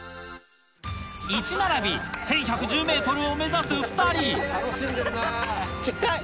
１並び１１１０ｍを目指す２人近い！